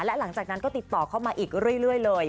และหลังจากนั้นก็ติดต่อเข้ามาอีกเรื่อยเลย